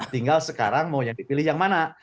tinggal sekarang mau yang dipilih yang mana